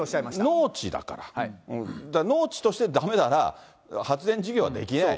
農地だから、農地としてだめなら、発電事業はできないと。